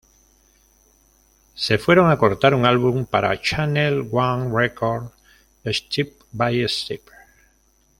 Se fueron a cortar un álbum para Channel One Records, Step by Step.